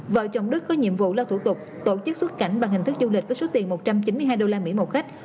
vợ chồng đức có nhiệm vụ lao thủ tục tổ chức xuất cảnh bằng hình thức du lịch với số tiền một trăm chín mươi hai usd một khách